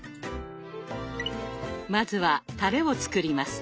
まずはタレを作ります。